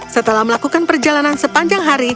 setelah melakukan perjalanan sepanjang hari